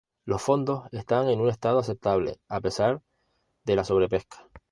Los fondos están en un estado aceptable, a pesar de la sobrepesca.